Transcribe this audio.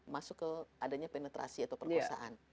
masuk ke adanya penetrasi atau perkosaan